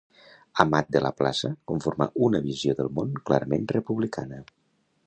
Amat de la plaça, conforma una visió del món clarament republicana.